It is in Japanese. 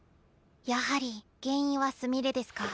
やはり原因はすみれデスカ。